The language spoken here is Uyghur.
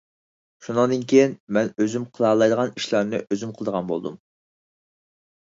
شۇنىڭدىن كېيىن مەن ئۆزۈم قىلالايدىغان ئىشلارنى ئۆزۈم قىلىدىغان بولدۇم.